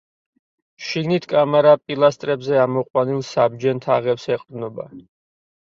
შიგნით კამარა პილასტრებზე ამოყვანილ საბჯენ თაღებს ეყრდნობა.